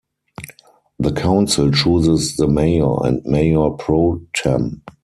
The council chooses the mayor and mayor pro tem.